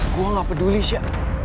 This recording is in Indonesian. gue gak peduli sya